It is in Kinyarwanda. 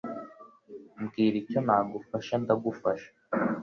Mbwira icyo nagufasha ndagufasha